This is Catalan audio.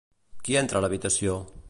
Qui entra a l'habitació?